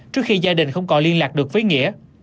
trước khi gia đình không còn liên lạc được với nghĩa